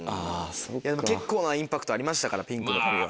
でも結構なインパクトありましたからピンクの髪は。